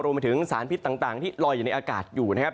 มาถึงสารพิษต่างที่ลอยอยู่ในอากาศอยู่นะครับ